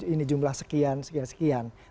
ini jumlah sekian sekian sekian